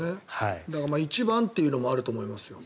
１番というのもあると思いますよ。